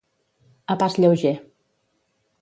A pas lleuger.